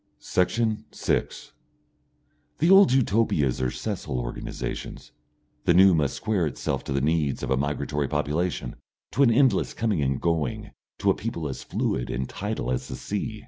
Section 6 The old Utopias are sessile organisations; the new must square itself to the needs of a migratory population, to an endless coming and going, to a people as fluid and tidal as the sea.